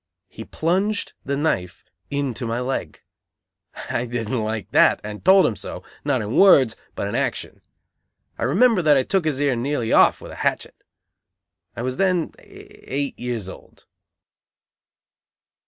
He plunged the knife into my leg. I didn't like that, and told him so, not in words, but in action. I remember that I took his ear nearly off with a hatchet. I was then eight years old.